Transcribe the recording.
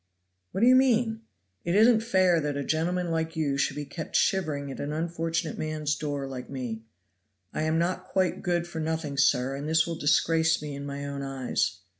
"What do you mean?" "It isn't fair that a gentleman like you should be kept shivering at an unfortunate man's door like me. I am not quite good for nothing, sir, and this will disgrace me in my own eyes."